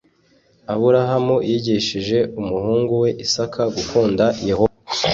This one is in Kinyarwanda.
aburahamu yigishije umuhungu we isaka gukunda yehova